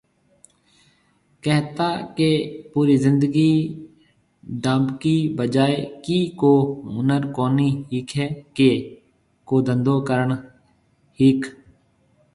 ڪهتا ڪي پوري زندگي ڊانبڪي بجائي ڪي ڪو هُنر ڪونهي ۿيکي ڪي، ڪو ڌنڌو ڪرڻ ۿيک